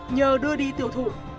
nhờ đưa đi tiêu thụ